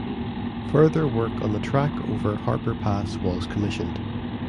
Further work on the track over Harper Pass was commissioned.